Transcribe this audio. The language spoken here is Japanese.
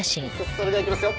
それではいきますよ。